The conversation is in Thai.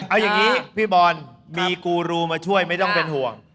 เอาอย่างนี้พี่บอลมีกูรูมาช่วยไม่ต้องเป็นห่วง